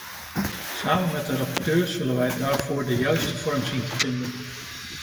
Samen met de rapporteur zullen we daarvoor de juiste vorm zien te vinden.